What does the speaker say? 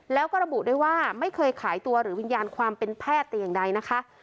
แล้วก็ระบุด้วยว่าไม่เคยขายตัวหรือวิญญาณความเป็นแพทย์แต่อย่างใดนะคะ